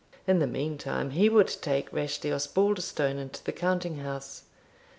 In the meantime, he would take Rashleigh Osbaldistone into the counting house.